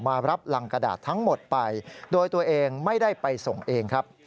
มารับรังกระดาษทั้งหมดไปโดยตัวเองไม่ได้ไปส่งเองครับ